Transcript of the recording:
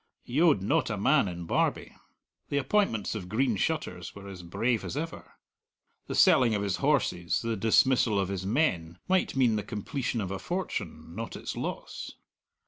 He owed not a man in Barbie. The appointments of Green Shutters were as brave as ever. The selling of his horses, the dismissal of his men, might mean the completion of a fortune, not its loss.